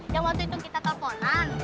yang waktu itu kita telponan